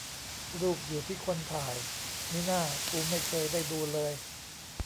รูปอยู่ที่คนถ่าย มิน่า กูไม่เคยได้ดูเลย